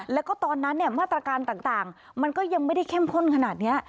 แล้วก็ตอนนั้นมาตรการต่างมันก็ยังไม่ได้เข้มข้นขนาดนี้